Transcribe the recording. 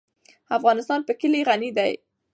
افغانستان په کلي غني دی.